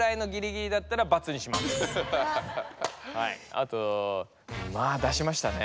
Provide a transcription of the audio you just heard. あとまあ出しましたね。